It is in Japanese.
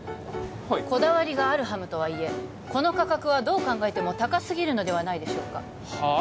はいこだわりがあるハムとはいえこの価格はどう考えても高すぎるのではないでしょうかはあ？